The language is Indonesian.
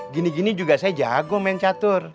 gini gini juga saya jago main catur